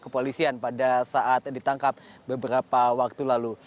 kepolisian pada saat ditangkap beberapa waktu lalu